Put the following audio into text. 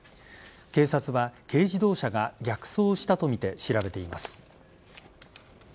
警察は軽自動車が逆走したとみて調べています。